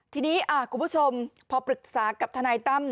ทีนี้คุณผู้ชมพอปรึกษากับทนายตั้ม